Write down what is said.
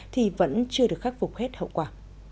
thì vẫn chưa được khắc phục hết hậu quả